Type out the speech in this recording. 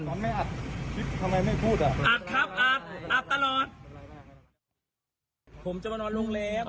ผมจะมานอนโรงแรม